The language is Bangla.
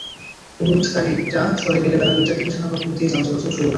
অবরোধকারীরা সরে গেলে বেলা দুইটার দিকে শাহবাগ মোড় দিয়ে যান চলাচল শুরু হয়।